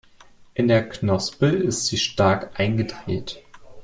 In der Knospe ist sie stark eingedreht.